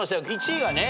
１位はね